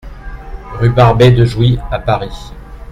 Rue Barbet de Jouy à Paris